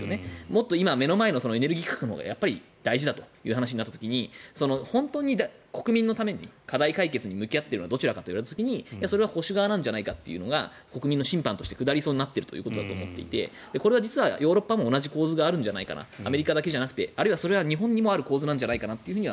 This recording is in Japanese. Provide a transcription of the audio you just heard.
もっと今、目の前のエネルギー価格のほうが大事だという話になった時に本当に国民のために課題解決に向き合ってるのはどちらかって時にそれは保守側なんじゃないかって国民の審判として下りそうになっているということだと思っていてこれは実はヨーロッパも同じ構図があるんじゃないかなアメリカだけじゃなくて日本にもある構図なんじゃないかなと。